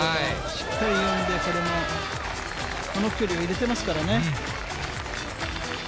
しっかり読んで、これも、この距離を入れてますからね。